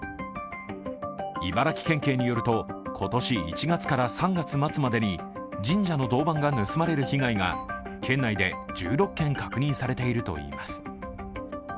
茨城県警によると、今年１月から３月末までに神社の銅板が盗まれる被害が県内で１６件確認されているといいます。